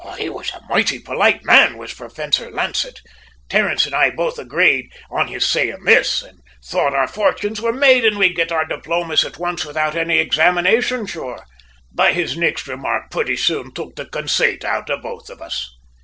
"He was a moighty polite man was Professor Lancett. Terence an' I both agrayed on his sayin' this, an' thought our fortunes were made an' we'd git our diplomas at once, without any examination, sure! "But his nixt remark purty soon took the consate out of both of us.